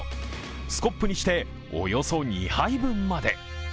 スコップにしておよそ２杯分まで。